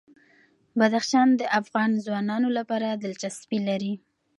بدخشان د افغان ځوانانو لپاره دلچسپي لري.